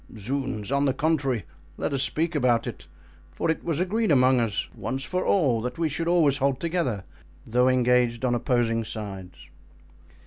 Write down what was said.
"Zounds! on the contrary, let us speak about it; for it was agreed among us, once for all, that we should always hold together, though engaged on opposing sides."